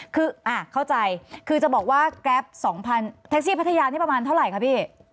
คือเข้าใจคือจะบอกว่าแกรป๒๐๐แท็กซี่พัทยานี่ประมาณเท่าไหร่คะพี่